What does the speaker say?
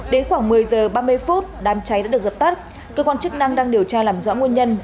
đến khoảng một mươi h ba mươi phút đám cháy đã được dập tắt cơ quan chức năng đang điều tra làm rõ nguyên nhân